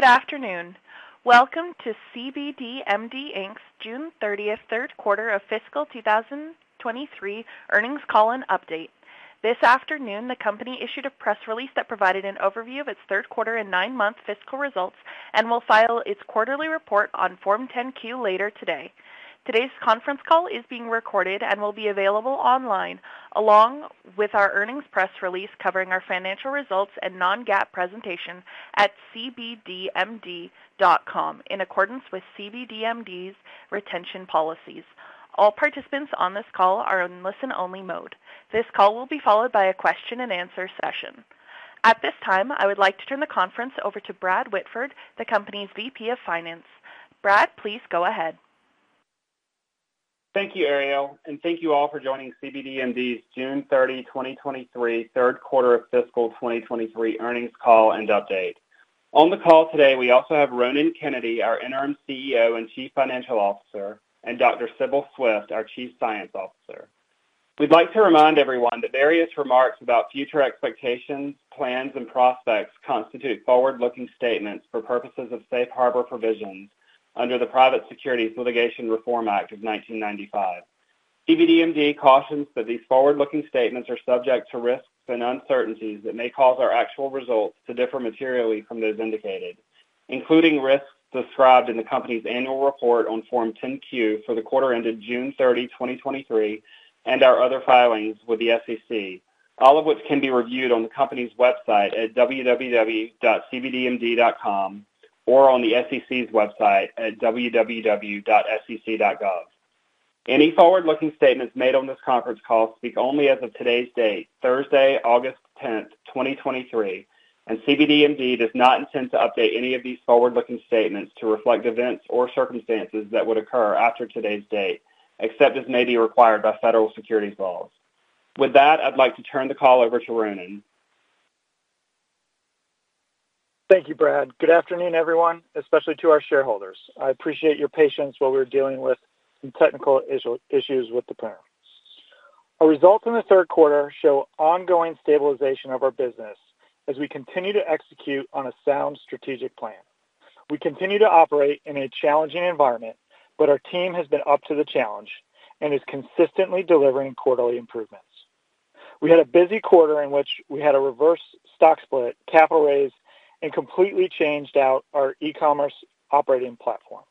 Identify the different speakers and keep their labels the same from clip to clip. Speaker 1: Good afternoon. Welcome to cbdMD, Inc.'s June 30th, third quarter of fiscal 2023 earnings call and update. This afternoon, the company issued a press release that provided an overview of its third quarter and 9-month fiscal results, and will file its quarterly report on Form 10-Q later today. Today's conference call is being recorded and will be available online, along with our earnings press release covering our financial results and non-GAAP presentation at cbdmd.com, in accordance with cbdMD's retention policies. All participants on this call are in listen-only mode. This call will be followed by a question and answer session. At this time, I would like to turn the conference over to Bradley Whitford, the company's VP of Finance. Brad, please go ahead.
Speaker 2: Thank you, Ariel, and thank you all for joining cbdMD's June 30, 2023, third quarter of fiscal 2023 earnings call and update. On the call today, we also have Ronan Kennedy, our Interim CEO and Chief Financial Officer, and Dr. Sibyl Swift, our Chief Science Officer. We'd like to remind everyone that various remarks about future expectations, plans, and prospects constitute forward-looking statements for purposes of safe harbor provisions under the Private Securities Litigation Reform Act of 1995. cbdMD cautions that these forward-looking statements are subject to risks and uncertainties that may cause our actual results to differ materially from those indicated, including risks described in the company's annual report on Form 10-Q for the quarter ended June 30, 2023, and our other filings with the SEC, all of which can be reviewed on the company's website at www.cbdmd.com or on the SEC's website at www.sec.gov. Any forward-looking statements made on this conference call speak only as of today's date, Thursday, August 10, 2023, and cbdMD does not intend to update any of these forward-looking statements to reflect events or circumstances that would occur after today's date, except as may be required by federal securities laws. With that, I'd like to turn the call over to Ronan.
Speaker 3: Thank you, Brad. Good afternoon, everyone, especially to our shareholders. I appreciate your patience while we're dealing with some technical issues with the panel. Our results in the third quarter show ongoing stabilization of our business as we continue to execute on a sound strategic plan. We continue to operate in a challenging environment, but our team has been up to the challenge and is consistently delivering quarterly improvements. We had a busy quarter in which we had a reverse stock split, capital raise, and completely changed out our e-commerce operating platform.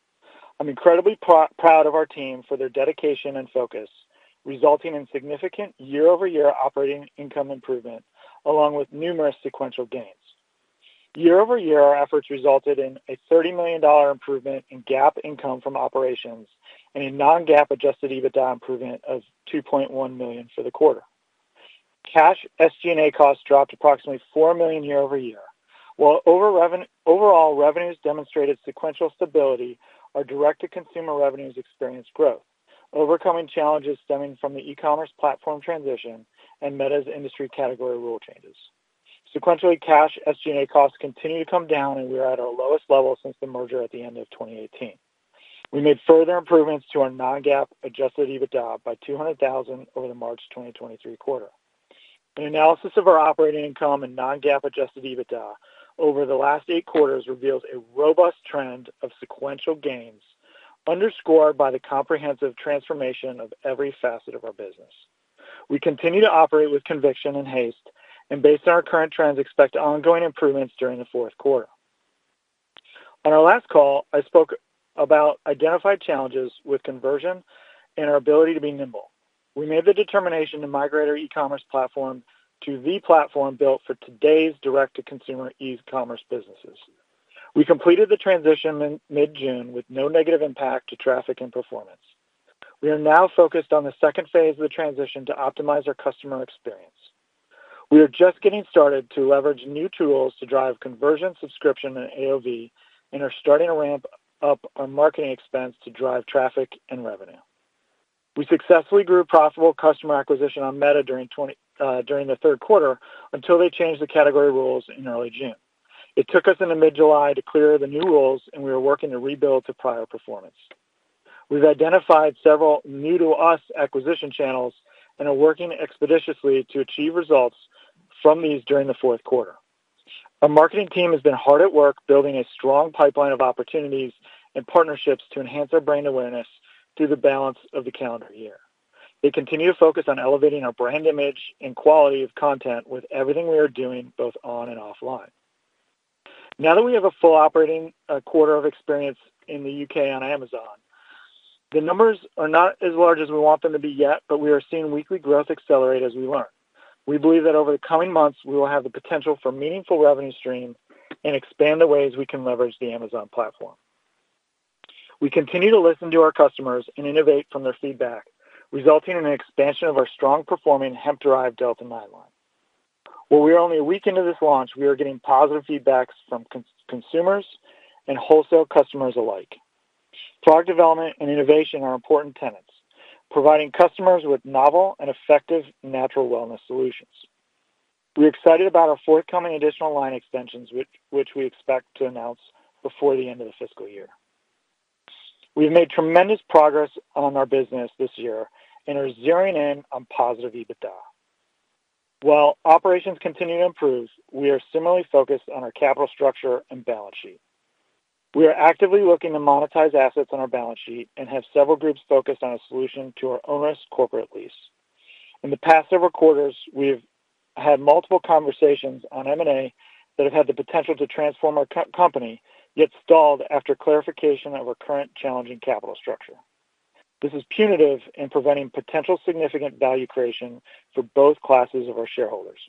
Speaker 3: I'm incredibly proud of our team for their dedication and focus, resulting in significant year-over-year operating income improvement, along with numerous sequential gains. Year-over-year, our efforts resulted in a $30 million improvement in GAAP income from operations and a non-GAAP adjusted EBITDA improvement of $2.1 million for the quarter. Cash SG&A costs dropped approximately $4 million year-over-year. While overall, revenues demonstrated sequential stability, our direct-to-consumer revenues experienced growth, overcoming challenges stemming from the e-commerce platform transition and Meta's industry category rule changes. Sequentially, cash SG&A costs continue to come down, and we are at our lowest level since the merger at the end of 2018. We made further improvements to our non-GAAP adjusted EBITDA by $200,000 over the March 2023 quarter. An analysis of our operating income and non-GAAP adjusted EBITDA over the last eight quarters reveals a robust trend of sequential gains, underscored by the comprehensive transformation of every facet of our business. We continue to operate with conviction and haste. Based on our current trends, expect ongoing improvements during the fourth quarter. On our last call, I spoke about identified challenges with conversion and our ability to be nimble. We made the determination to migrate our e-commerce platform to the platform built for today's direct-to-consumer e-commerce businesses. We completed the transition in mid-June with no negative impact to traffic and performance. We are now focused on the second phase of the transition to optimize our customer experience. We are just getting started to leverage new tools to drive conversion, subscription, and AOV, and are starting to ramp up our marketing expense to drive traffic and revenue. We successfully grew profitable customer acquisition on Meta during the third quarter until they changed the category rules in early June. It took us into mid-July to clear the new rules, and we are working to rebuild to prior performance. We've identified several new to us acquisition channels and are working expeditiously to achieve results from these during the fourth quarter. Our marketing team has been hard at work building a strong pipeline of opportunities and partnerships to enhance our brand awareness through the balance of the calendar year. They continue to focus on elevating our brand image and quality of content with everything we are doing, both on and offline. Now that we have a full operating quarter of experience in the U.K. on Amazon, the numbers are not as large as we want them to be yet. We are seeing weekly growth accelerate as we learn. We believe that over the coming months, we will have the potential for meaningful revenue stream and expand the ways we can leverage the Amazon platform. We continue to listen to our customers and innovate from their feedback, resulting in an expansion of our strong performing hemp-derived Delta 9 line. While we are only a week into this launch, we are getting positive feedbacks from consumers and wholesale customers alike. Product development and innovation are important tenets, providing customers with novel and effective natural wellness solutions. We're excited about our forthcoming additional line extensions, which we expect to announce before the end of the fiscal year. We've made tremendous progress on our business this year and are zeroing in on positive EBITDA. While operations continue to improve, we are similarly focused on our capital structure and balance sheet. We are actively looking to monetize assets on our balance sheet and have several groups focused on a solution to our onus corporate lease. In the past several quarters, we've had multiple conversations on M&A that have had the potential to transform our co-company, yet stalled after clarification of our current challenging capital structure. This is punitive in preventing potential significant value creation for both classes of our shareholders.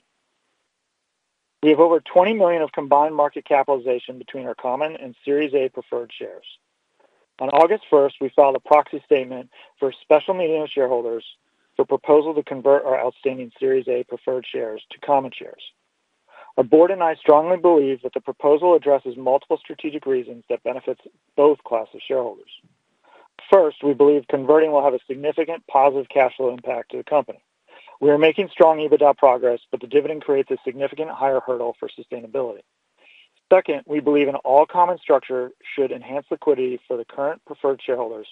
Speaker 3: We have over $20 million of combined market capitalization between our common and Series A preferred shares. On August 1st, we filed a proxy statement for a special meeting of shareholders for proposal to convert our outstanding Series A preferred shares to common shares. Our board and I strongly believe that the proposal addresses multiple strategic reasons that benefits both classes of shareholders. First, we believe converting will have a significant positive cash flow impact to the company. We are making strong EBITDA progress, the dividend creates a significant higher hurdle for sustainability. Second, we believe an all-common structure should enhance liquidity for the current preferred shareholders,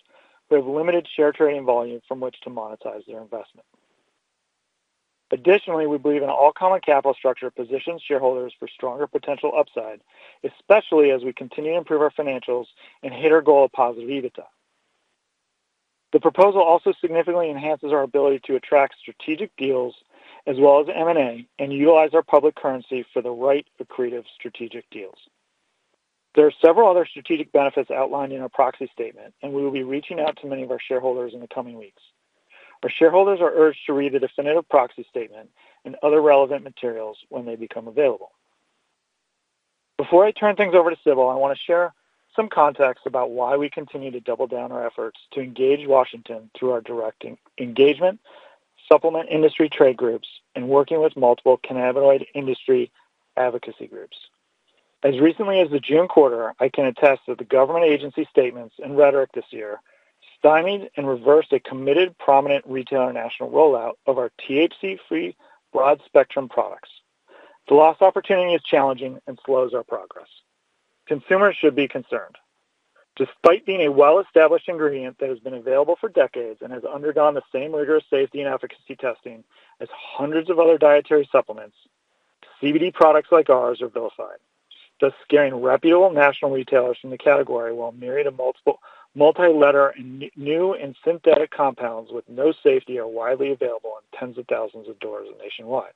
Speaker 3: who have limited share trading volume from which to monetize their investment. Additionally, we believe an all-common capital structure positions shareholders for stronger potential upside, especially as we continue to improve our financials and hit our goal of positive EBITDA. The proposal also significantly enhances our ability to attract strategic deals as well as M&A, and utilize our public currency for the right accretive strategic deals. There are several other strategic benefits outlined in our proxy statement, and we will be reaching out to many of our shareholders in the coming weeks. Our shareholders are urged to read the definitive proxy statement and other relevant materials when they become available. Before I turn things over to Sibyl, I want to share some context about why we continue to double down our efforts to engage Washington through our direct engagement, supplement industry trade groups, and working with multiple cannabinoid industry advocacy groups. As recently as the June quarter, I can attest that the government agency statements and rhetoric this year stymied and reversed a committed prominent retailer national rollout of our THC-free broad-spectrum products. The lost opportunity is challenging and slows our progress. Consumers should be concerned. Despite being a well-established ingredient that has been available for decades and has undergone the same rigorous safety and efficacy testing as hundreds of other dietary supplements, CBD products like ours are vilified, thus scaring reputable national retailers from the category, while myriad of multi-letter and new and synthetic compounds with no safety are widely available in tens of thousands of doors nationwide.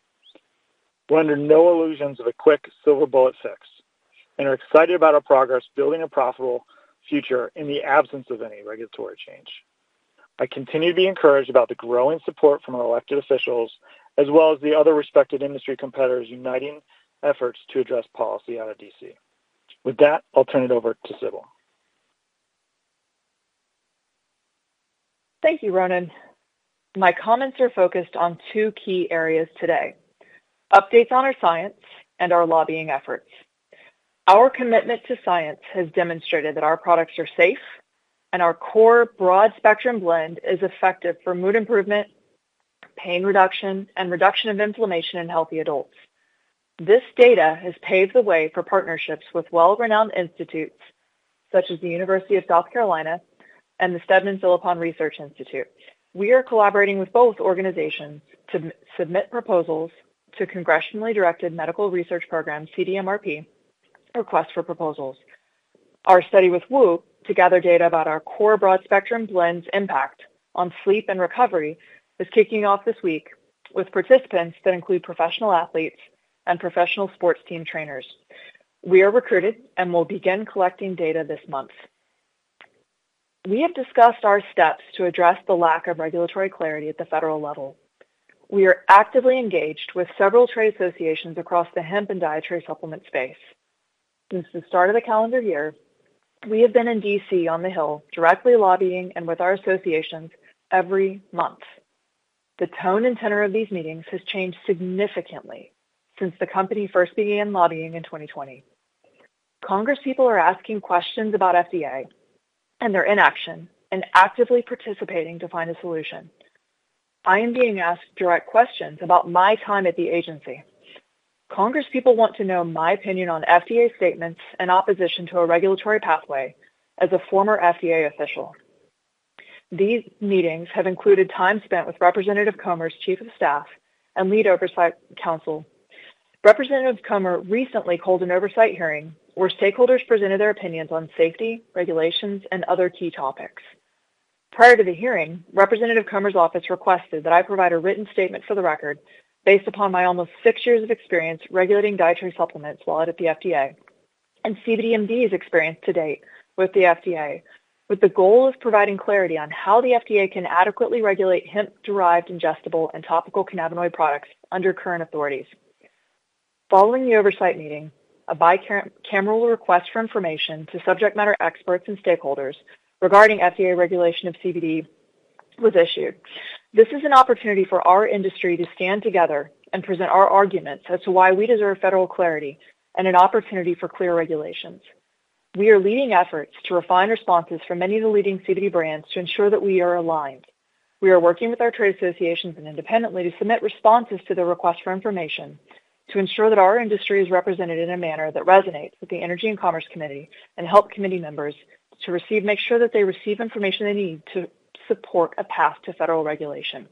Speaker 3: We're under no illusions of a quick silver bullet fix and are excited about our progress building a profitable future in the absence of any regulatory change. I continue to be encouraged about the growing support from our elected officials, as well as the other respected industry competitors uniting efforts to address policy out of D.C. With that, I'll turn it over to Sibyl.
Speaker 4: Thank you, Ronan. My comments are focused on two key areas today: updates on our science and our lobbying efforts. Our commitment to science has demonstrated that our products are safe, and our core broad-spectrum blend is effective for mood improvement, pain reduction, and reduction of inflammation in healthy adults. This data has paved the way for partnerships with well-renowned institutes such as the University of South Carolina and the Steadman Philippon Research Institute. We are collaborating with both organizations to submit proposals to Congressionally Directed Medical Research Programs, CDMRP, request for proposals. Our study with WHOOP to gather data about our core broad-spectrum blend's impact on sleep and recovery, is kicking off this week with participants that include professional athletes and professional sports team trainers. We are recruited and will begin collecting data this month. We have discussed our steps to address the lack of regulatory clarity at the federal level. We are actively engaged with several trade associations across the hemp and dietary supplement space. Since the start of the calendar year, we have been in D.C. on the Hill, directly lobbying and with our associations every month. The tone and tenor of these meetings has changed significantly since the company first began lobbying in 2020. Congress people are asking questions about FDA and their inaction and actively participating to find a solution. I am being asked direct questions about my time at the agency. Congress people want to know my opinion on FDA statements and opposition to a regulatory pathway as a former FDA official. These meetings have included time spent with Representative Comer's chief of staff and lead oversight counsel. Representative Comer recently called an oversight hearing where stakeholders presented their opinions on safety, regulations, and other key topics. Prior to the hearing, Representative Comer's office requested that I provide a written statement for the record based upon my almost six years of experience regulating dietary supplements while at the FDA, and cbdMD's experience to date with the FDA, with the goal of providing clarity on how the FDA can adequately regulate hemp-derived, ingestible, and topical cannabinoid products under current authorities. Following the oversight meeting, a bicameral request for information to subject matter experts and stakeholders regarding FDA regulation of CBD was issued. This is an opportunity for our industry to stand together and present our arguments as to why we deserve federal clarity and an opportunity for clear regulations. We are leading efforts to refine responses from many of the leading CBD brands to ensure that we are aligned. We are working with our trade associations and independently to submit responses to the request for information to ensure that our industry is represented in a manner that resonates with the Energy and Commerce Committee, and help committee members to receive, make sure that they receive information they need to support a path to federal regulation.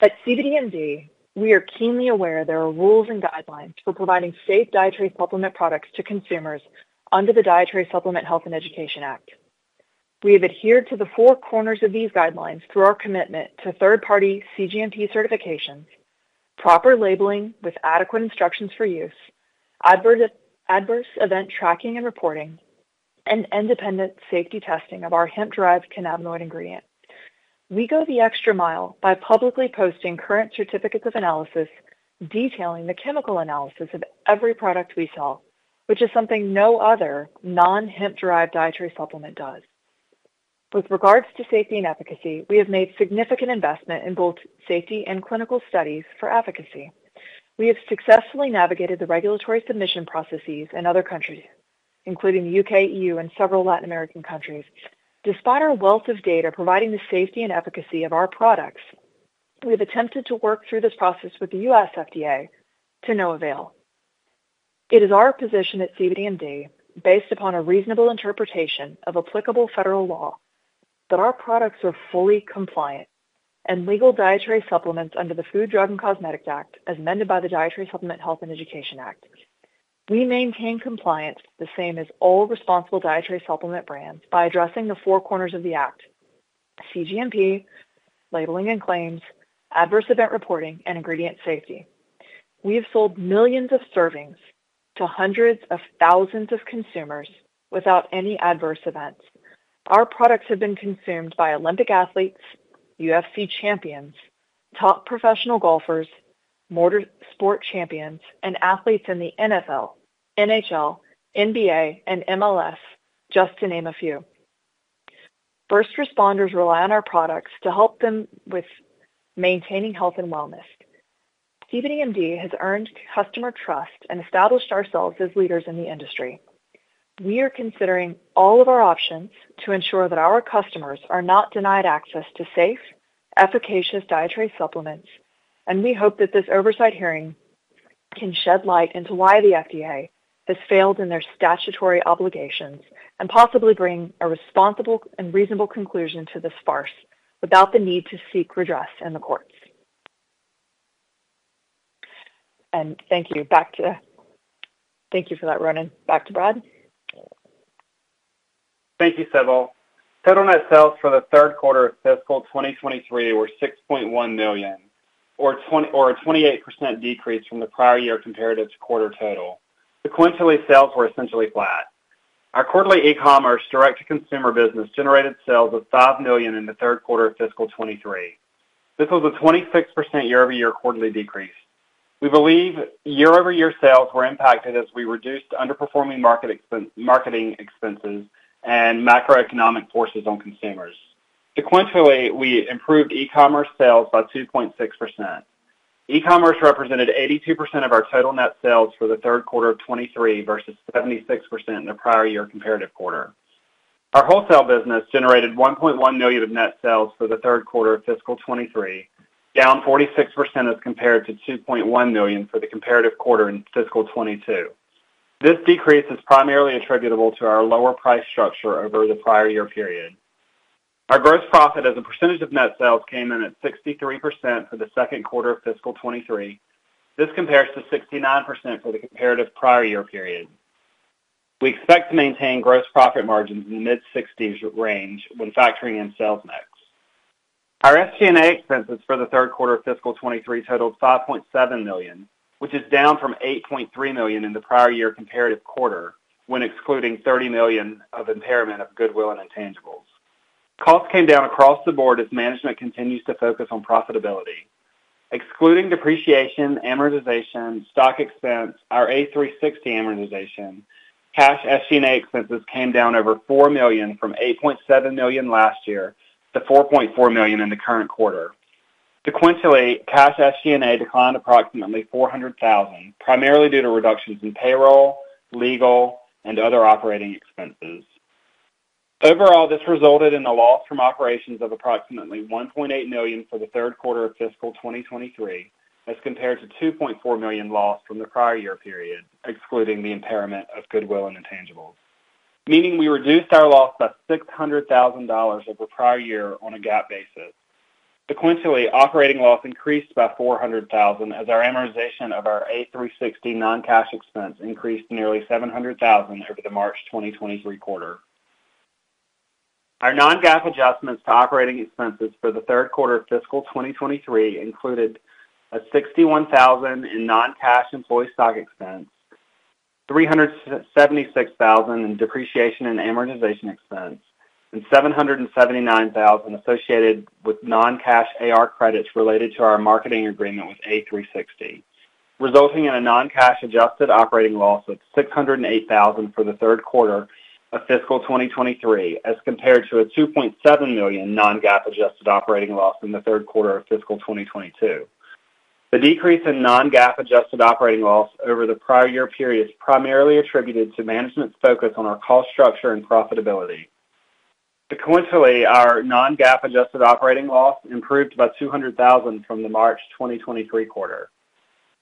Speaker 4: At cbdMD, we are keenly aware there are rules and guidelines for providing safe dietary supplement products to consumers under the Dietary Supplement Health and Education Act. We have adhered to the four corners of these guidelines through our commitment to third-party CGMP certifications, proper labeling with adequate instructions for use, adverse event tracking and reporting, and independent safety testing of our hemp-derived cannabinoid ingredient. We go the extra mile by publicly posting current certificates of analysis, detailing the chemical analysis of every product we sell, which is something no other non-hemp-derived dietary supplement does. With regards to safety and efficacy, we have made significant investment in both safety and clinical studies for efficacy. We have successfully navigated the regulatory submission processes in other countries, including the U.K., EU, and several Latin American countries. Despite our wealth of data providing the safety and efficacy of our products, we have attempted to work through this process with the U.S. FDA to no avail. It is our position at cbdMD, based upon a reasonable interpretation of applicable federal law, that our products are fully compliant and legal dietary supplements under the Federal Food, Drug, and Cosmetic Act, as amended by the Dietary Supplement Health and Education Act of 1994. We maintain compliance the same as all responsible dietary supplement brands by addressing the four corners of the act: CGMP, labeling and claims, adverse event reporting, and ingredient safety. We have sold millions of servings to hundreds of thousands of consumers without any adverse events. Our products have been consumed by Olympic athletes, UFC champions, top professional golfers, motor sport champions, and athletes in the NFL, NHL, NBA, and MLS, just to name a few. First responders rely on our products to help them with maintaining health and wellness. cbdMD has earned customer trust and established ourselves as leaders in the industry. We are considering all of our options to ensure that our customers are not denied access to safe, efficacious dietary supplements, and we hope that this oversight hearing can shed light into why the FDA has failed in their statutory obligations and possibly bring a responsible and reasonable conclusion to this farce without the need to seek redress in the courts. Thank you. Thank you for that, Ronan. Back to Brad.
Speaker 2: Thank you, Sibyl. Total net sales for the third quarter of fiscal 2023 were $6.1 million, or a 28% decrease from the prior year comparative quarter total. Sequentially, sales were essentially flat. Our quarterly e-commerce direct-to-consumer business generated sales of $5 million in the third quarter of fiscal 2023. This was a 26% year-over-year quarterly decrease. We believe year-over-year sales were impacted as we reduced underperforming marketing expenses and macroeconomic forces on consumers. Sequentially, we improved e-commerce sales by 2.6%. E-commerce represented 82% of our total net sales for the third quarter of 2023 versus 76% in the prior year comparative quarter. Our wholesale business generated $1.1 million of net sales for the third quarter of fiscal 2023, down 46% as compared to $2.1 million for the comparative quarter in fiscal 2022. This decrease is primarily attributable to our lower price structure over the prior year period. Our gross profit as a percentage of net sales came in at 63% for the second quarter of fiscal 2023. This compares to 69% for the comparative prior year period. We expect to maintain gross profit margins in the mid-60s range when factoring in sales mix. Our SG&A expenses for the third quarter of fiscal 2023 totaled $5.7 million, which is down from $8.3 million in the prior year comparative quarter, when excluding $30 million of impairment of goodwill and intangibles. Costs came down across the board as management continues to focus on profitability. Excluding depreciation, amortization, stock expense, our a360 amortization, cash SG&A expenses came down over $4 million from $8.7 million last year to $4.4 million in the current quarter. Sequentially, cash SG&A declined approximately $400,000, primarily due to reductions in payroll, legal, and other operating expenses. Overall, this resulted in a loss from operations of approximately $1.8 million for the third quarter of fiscal 2023, as compared to $2.4 million loss from the prior year period, excluding the impairment of goodwill and intangibles. Meaning we reduced our loss by $600,000 over the prior year on a GAAP basis. Sequentially, operating loss increased by $400,000 as our amortization of our a360 non-cash expense increased nearly $700,000 over the March 2023 quarter. Our non-GAAP adjustments to operating expenses for the third quarter of fiscal 2023 included a $61,000 in non-cash employee stock expense, $376,000 in depreciation and amortization expense, and $779,000 associated with non-cash AR credits related to our marketing agreement with a360 Media, resulting in a non-cash adjusted operating loss of $608,000 for the third quarter of fiscal 2023, as compared to a $2.7 million non-GAAP adjusted operating loss in the third quarter of fiscal 2022. The decrease in non-GAAP adjusted operating loss over the prior year period is primarily attributed to management's focus on our cost structure and profitability. Coincidentally, our non-GAAP adjusted operating loss improved by $200,000 from the March 2023 quarter.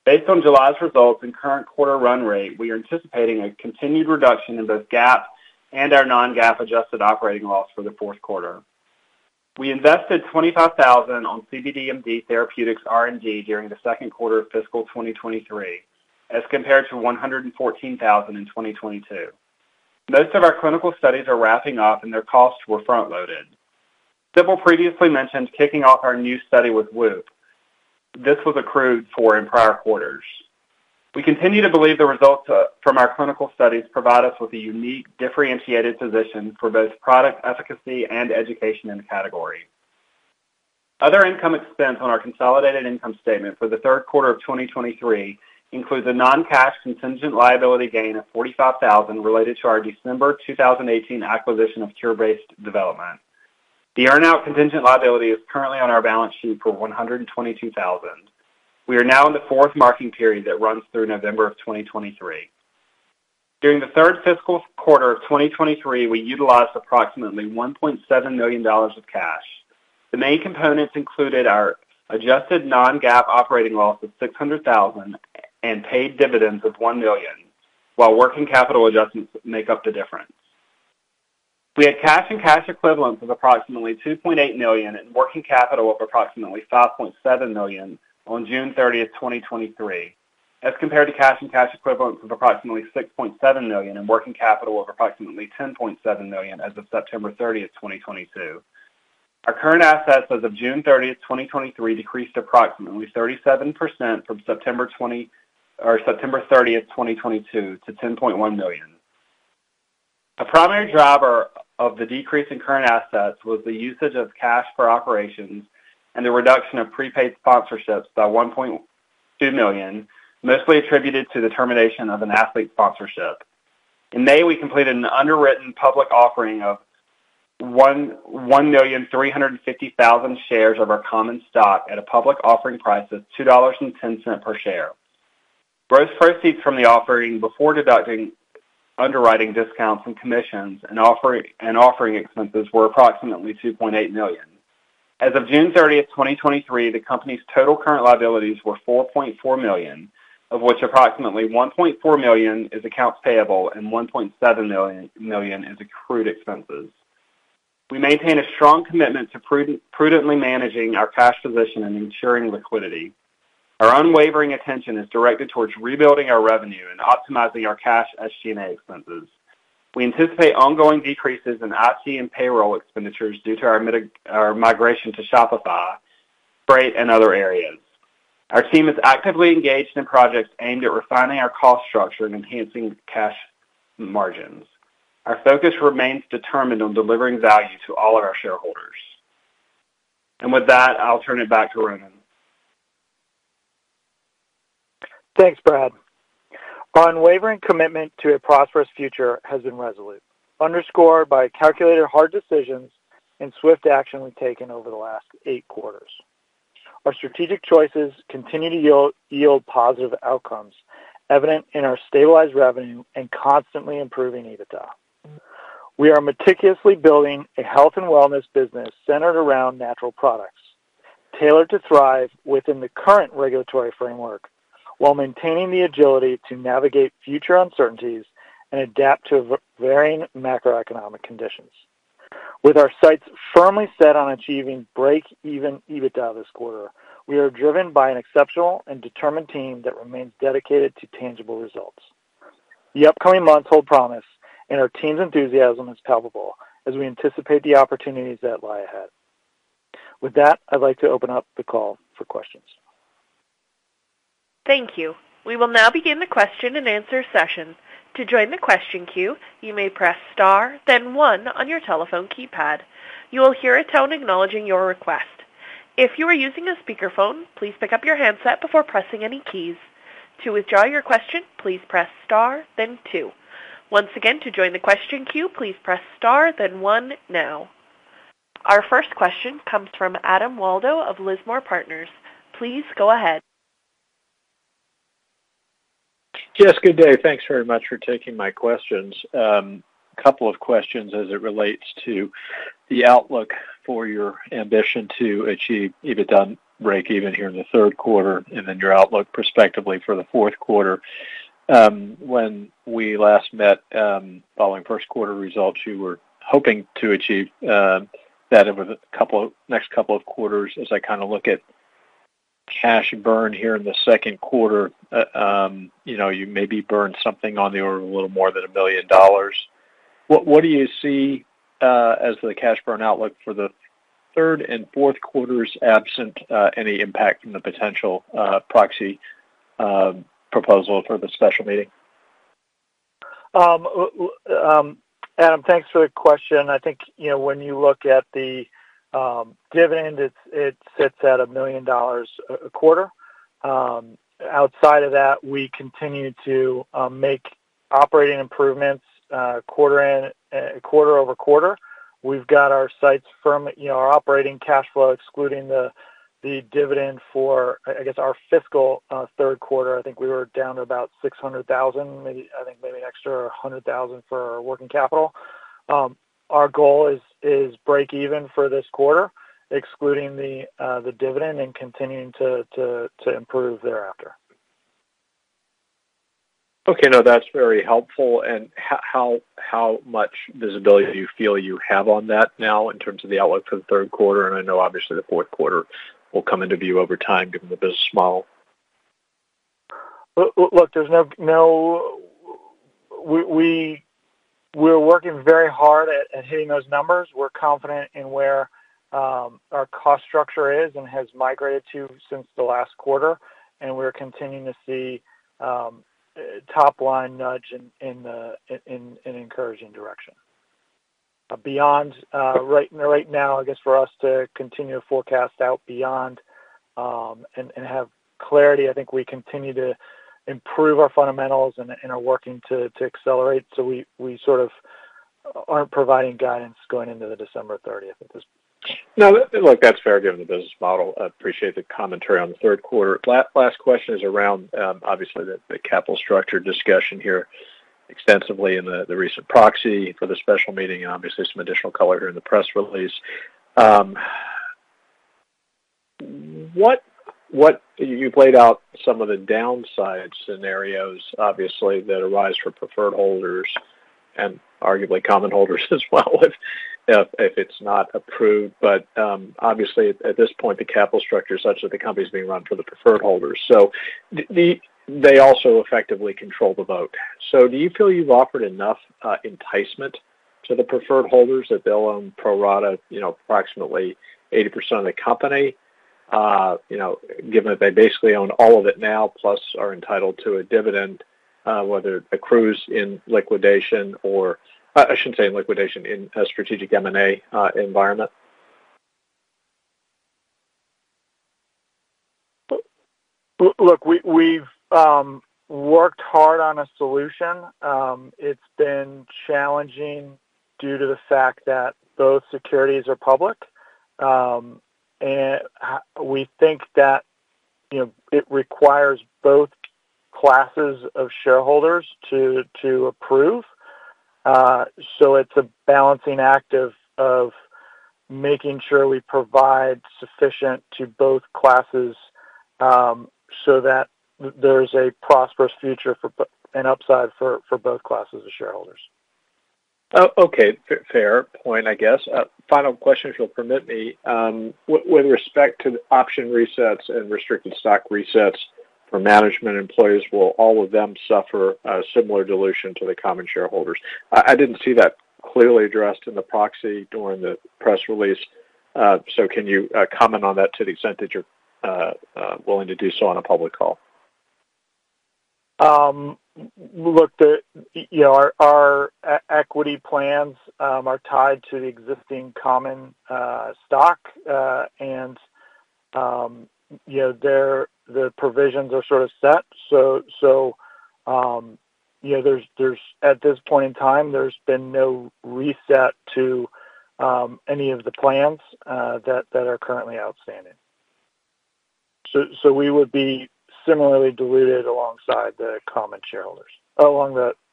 Speaker 2: Based on July's results and current quarter run rate, we are anticipating a continued reduction in both GAAP and our non-GAAP adjusted operating loss for the fourth quarter. We invested $25,000 on cbdMD Therapeutics R&D during the second quarter of fiscal 2023, as compared to $114,000 in 2022. Most of our clinical studies are wrapping up, and their costs were front-loaded. Sibyl previously mentioned kicking off our new study with WHOOP. This was accrued for in prior quarters. We continue to believe the results from our clinical studies provide us with a unique, differentiated position for both product efficacy and education in the category. Other income expense on our consolidated income statement for the third quarter of 2023 includes a non-cash contingent liability gain of $45,000 related to our December 2018 acquisition of Cure Based Development. The earn-out contingent liability is currently on our balance sheet for $122,000. We are now in the fourth marking period that runs through November of 2023. During the third fiscal quarter of 2023, we utilized approximately $1.7 million of cash. The main components included our adjusted non-GAAP operating loss of $600,000 and paid dividends of $1 million, while working capital adjustments make up the difference. We had cash and cash equivalents of approximately $2.8 million and working capital of approximately $5.7 million on June 30th, 2023, as compared to cash and cash equivalents of approximately $6.7 million and working capital of approximately $10.7 million as of September 30th, 2022. Our current assets as of June 30, 2023, decreased approximately 37% from September 30, 2022, to $10.1 million. A primary driver of the decrease in current assets was the usage of cash for operations and the reduction of prepaid sponsorships by $1.2 million, mostly attributed to the termination of an athlete sponsorship. In May, we completed an underwritten public offering of 1,350,000 shares of our common stock at a public offering price of $2.10 per share. Gross proceeds from the offering before deducting underwriting discounts and commissions and offering expenses were approximately $2.8 million. As of June 30, 2023, the company's total current liabilities were $4.4 million, of which approximately $1.4 million is accounts payable and $1.7 million is accrued expenses. We maintain a strong commitment to prudently managing our cash position and ensuring liquidity. Our unwavering attention is directed towards rebuilding our revenue and optimizing our cash SG&A expenses. We anticipate ongoing decreases in IT and payroll expenditures due to our migration to Shopify, freight, and other areas. Our team is actively engaged in projects aimed at refining our cost structure and enhancing cash margins. Our focus remains determined on delivering value to all of our shareholders. With that, I'll turn it back to Ronan.
Speaker 3: Thanks, Brad. Our unwavering commitment to a prosperous future has been resolute, underscored by calculated hard decisions and swift action we've taken over the last eight quarters. Our strategic choices continue to yield, yield positive outcomes, evident in our stabilized revenue and constantly improving EBITDA. We are meticulously building a health and wellness business centered around natural products, tailored to thrive within the current regulatory framework, while maintaining the agility to navigate future uncertainties and adapt to varying macroeconomic conditions. With our sights firmly set on achieving break-even EBITDA this quarter, we are driven by an exceptional and determined team that remains dedicated to tangible results. The upcoming months hold promise, and our team's enthusiasm is palpable as we anticipate the opportunities that lie ahead. With that, I'd like to open up the call for questions.
Speaker 1: Thank you. We will now begin the question-and-answer session. To join the question queue, you may press star then one on your telephone keypad. You will hear a tone acknowledging your request. If you are using a speakerphone, please pick up your handset before pressing any keys. To withdraw your question, please press star then two. Once again, to join the question queue, please press star then one now. Our first question comes from Adam Waldo of Lismore Partners. Please go ahead.
Speaker 5: Yes, good day. Thanks very much for taking my questions. Two questions as it relates to the outlook for your ambition to achieve EBITDA break even here in the third quarter and then your outlook prospectively for the fourth quarter. When we last met, following first quarter results, you were hoping to achieve that over the next two quarters. As I kind of look at cash burn here in the second quarter, you know, you maybe burned something on the order of a little more than $1 billion. What, what do you see as the cash burn outlook for the third and fourth quarters, absent any impact from the potential proxy proposal for the special meeting?
Speaker 3: Adam Waldo, thanks for the question. I think, you know, when you look at the dividend, it's- it sits at a $1 million a quarter. Outside of that, we continue to make operating improvements, quarter and quarter-over-quarter. We've got our sights firm. You know, our operating cash flow, excluding the dividend for, I, I guess, our fiscal third quarter, I think we were down to about $600,000, maybe, I think maybe an extra $100,000 for our working capital. Our goal is, is break even for this quarter, excluding the dividend and continuing to improve thereafter.
Speaker 5: Okay, no, that's very helpful. How much visibility do you feel you have on that now in terms of the outlook for the third quarter? I know obviously the fourth quarter will come into view over time, given the business model.
Speaker 3: Look, there's no, we're working very hard at hitting those numbers. We're confident in where our cost structure is and has migrated to since the last quarter, and we're continuing to see top line nudge in an encouraging direction. Beyond right now, I guess, for us to continue to forecast out beyond and have clarity, I think we continue to improve our fundamentals and are working to accelerate, so we sort of aren't providing guidance going into the December 30th at this.
Speaker 5: No, look, that's fair, given the business model. I appreciate the commentary on the third quarter. Last question is around, obviously, the capital structure discussion here extensively in the recent proxy for the special meeting and obviously some additional color here in the press release. You played out some of the downside scenarios, obviously, that arise for preferred holders and arguably common holders as well, if it's not approved. Obviously, at this point, the capital structure is such that the company is being run for the preferred holders, so they also effectively control the vote. Do you feel you've offered enough enticement to the preferred holders that they'll own pro rata, you know, approximately 80% of the company? You know, given that they basically own all of it now, plus are entitled to a dividend, whether it accrues in liquidation or, I shouldn't say in liquidation, in a strategic M&A environment.
Speaker 3: Look, we, we've worked hard on a solution. It's been challenging due to the fact that both securities are public. We think that, you know, it requires both classes of shareholders to, to approve. It's a balancing act of, of making sure we provide sufficient to both classes, so that there's a prosperous future for an upside for, for both classes of shareholders.
Speaker 5: Oh, okay. Fair point, I guess. Final question, if you'll permit me. With, with respect to the option resets and restricted stock resets for management employees, will all of them suffer a similar dilution to the common shareholders? I, I didn't see that clearly addressed in the proxy during the press release. Can you comment on that to the extent that you're willing to do so on a public call?
Speaker 3: Look, the, you know, our, our equity plans are tied to the existing common stock, and, you know, their, the provisions are sort of set. You know, there's, there's, at this point in time, there's been no reset to any of the plans that are currently outstanding. We would be similarly diluted alongside the common shareholders.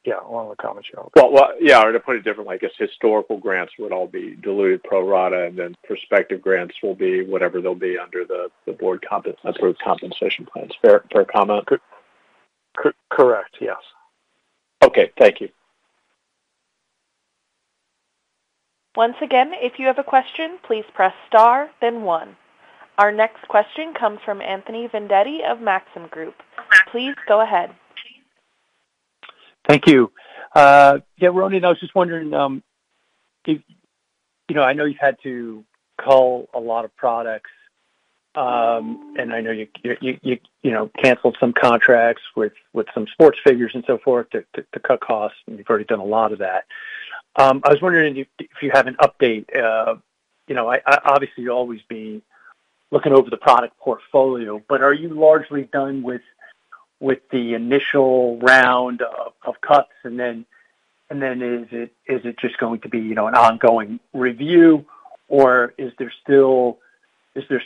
Speaker 3: Yeah, along the common shareholders.
Speaker 5: Well, well, yeah, or to put it differently, I guess historical grants would all be diluted pro rata, and then prospective grants will be whatever they'll be under the, the board compensation.
Speaker 3: Approved compensation plans.
Speaker 5: Fair, fair comment?
Speaker 3: Correct, yes.
Speaker 5: Okay. Thank you.
Speaker 1: Once again, if you have a question, please press star, then one. Our next question comes from Anthony Vendetti of Maxim Group. Please go ahead.
Speaker 6: Thank you. Yeah, Rony, I was just wondering, You know, I know you've had to cull a lot of products, and I know you know, canceled some contracts with some sports figures and so forth to cut costs, and you've already done a lot of that. I was wondering if you, if you have an update, obviously, you'll always be looking over the product portfolio, but are you largely done with the initial round of cuts? And then, and then is it, is it just going to be, you know, an ongoing review, or is there still, you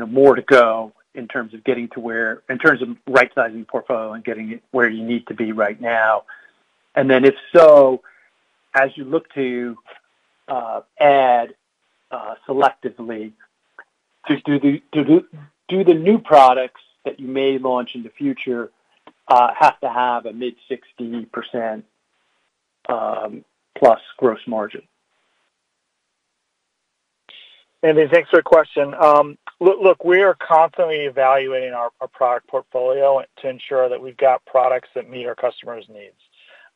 Speaker 6: know, more to go in terms of right-sizing the portfolio and getting it where you need to be right now? If so, as you look to add selectively, do the new products that you may launch in the future, have to have a mid-60% plus gross margin?
Speaker 3: Anthony, thanks for the question. Look, we are constantly evaluating our product portfolio to ensure that we've got products that meet our customers' needs.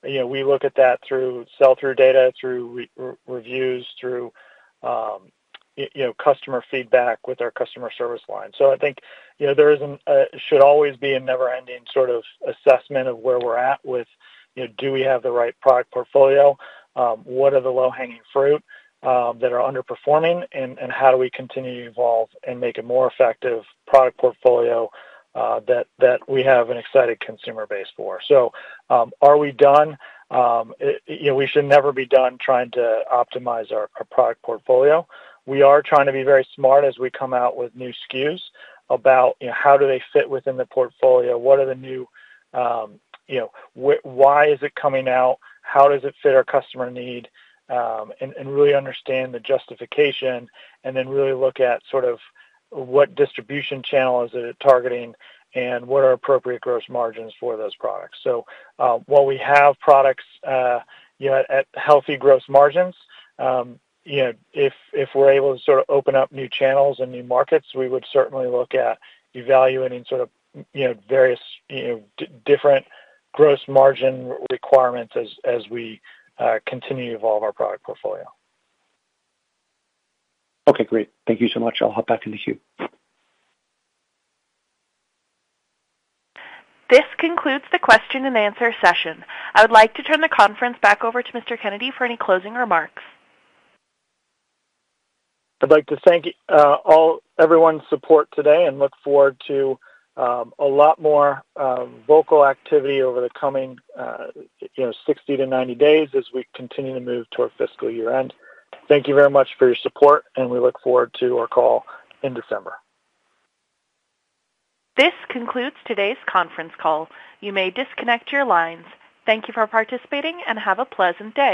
Speaker 3: You know, we look at that through sell-through data, through reviews, through, you know, customer feedback with our customer service line. I think, you know, there isn't, should always be a never-ending sort of assessment of where we're at with, you know, do we have the right product portfolio? What are the low-hanging fruit that are underperforming, and how do we continue to evolve and make a more effective product portfolio that we have an excited consumer base for? Are we done? You know, we should never be done trying to optimize our product portfolio. We are trying to be very smart as we come out with new SKUs about, you know, how do they fit within the portfolio? What are the new, you know, why is it coming out? How does it fit our customer need? And, and really understand the justification, and then really look at sort of what distribution channel is it targeting, and what are appropriate gross margins for those products. While we have products, you know, at healthy gross margins, you know, if, if we're able to sort of open up new channels and new markets, we would certainly look at evaluating sort of, you know, various, you know, different gross margin requirements as, as we continue to evolve our product portfolio.
Speaker 6: Okay, great. Thank you so much. I'll hop back in the queue.
Speaker 1: This concludes the question and answer session. I would like to turn the conference back over to Mr. Kennedy for any closing remarks.
Speaker 3: I'd like to thank, all, everyone's support today and look forward to a lot more vocal activity over the coming, you know, 60-90 days as we continue to move toward fiscal year-end. Thank you very much for your support, and we look forward to our call in December.
Speaker 1: This concludes today's conference call. You may disconnect your lines. Thank you for participating, and have a pleasant day.